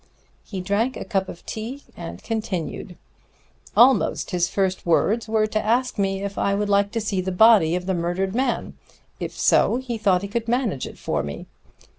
He drank a cup of tea and continued: "Almost his first words were to ask me if I would like to see the body of the murdered man if so, he thought he could manage it for me.